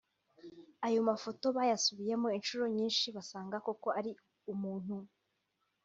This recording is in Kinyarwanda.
Ayo mafoto bayasubiyemo inshuro nyinshi basanga koko ari umuntu